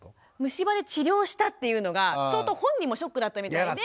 虫歯で治療したっていうのが相当本人もショックだったみたいで。